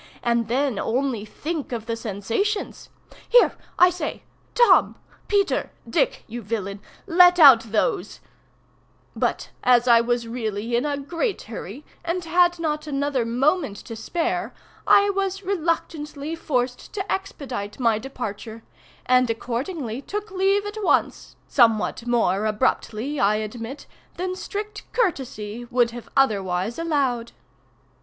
—and then only think of the sensations! Here! I say—Tom!—Peter!—Dick, you villain!—let out those"—but as I was really in a great hurry, and had not another moment to spare, I was reluctantly forced to expedite my departure, and accordingly took leave at once—somewhat more abruptly, I admit, than strict courtesy would have otherwise allowed.